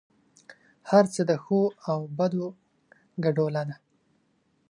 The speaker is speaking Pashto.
هر څه د ښو او بدو ګډوله ده.